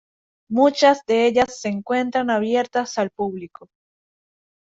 Muchas de ellas se encuentran abiertas al público.